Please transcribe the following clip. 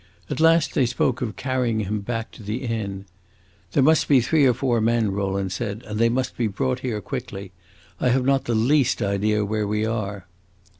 At last they spoke of carrying him back to the inn. "There must be three or four men," Rowland said, "and they must be brought here quickly. I have not the least idea where we are."